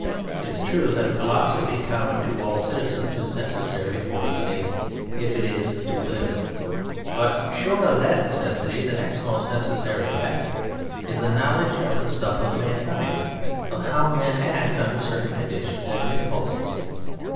It is true that a philosophy common to all citizens is necessary for a State if it is to, live but short of that necessity the next most necessary factor is a knowledge of the stuff of mankind: of how men act under certain conditions and impulses.